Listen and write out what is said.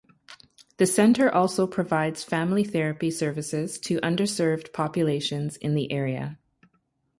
The center also provides family therapy services to underserved populations in the area.